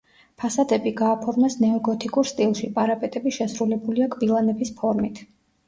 ფასადები გააფორმეს ნეოგოთიკურ სტილში, პარაპეტები შესრულებულია კბილანების ფორმით.